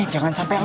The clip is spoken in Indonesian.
ada mengapa nih